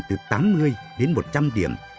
từ tám mươi đến một trăm linh điểm